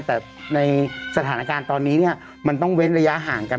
แต่ในสถานการณ์ตอนนี้มันต้องเว้นระยะห่างกัน